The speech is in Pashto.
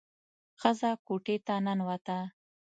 ښځه کوټې ته ننوته.